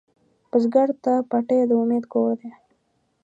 بزګر ته پټی د امید کور دی